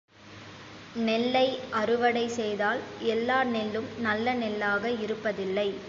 நெல்லை அறுவடை செய்தால் எல்லா நெல்லும் நல்ல நெல்லாக இருப்பதில்லை.